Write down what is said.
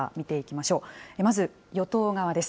まず、与党側です。